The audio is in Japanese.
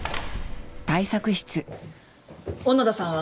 小野田さんは？